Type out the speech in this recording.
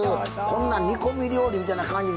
こんなん煮込み料理みたいな感じ